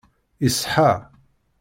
Iṣeḥḥa.